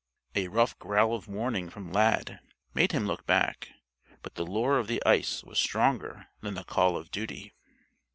A rough growl of warning from Lad made him look back, but the lure of the ice was stronger than the call of duty.